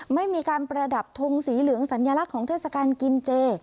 ไม่มีการประดับทงสีเหลืองสัญลักษณ์ของเทศกาลกินเจ